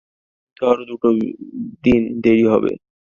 কিন্তু আরো দুটো দিন দেরি হবে।